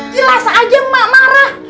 jelas aja ma marah